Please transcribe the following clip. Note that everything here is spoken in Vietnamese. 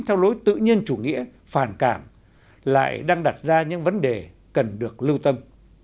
theo lối tự nhiên chủ nghĩa phản cảm lại đang đặt ra những vấn đề cần được lưu tâm